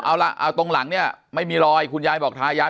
เอาล่ะเอาตรงหลังนี้คุณยายบอกทายายา